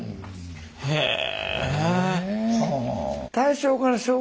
へえ。